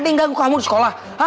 ada yang ganggu kamu di sekolah